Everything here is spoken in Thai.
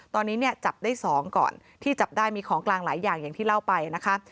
ตอนนี้เนี่ยจับได้๒ก่อนที่จับได้มีของกลางหลายอย่างอย่างที่เล่าไปนะคะ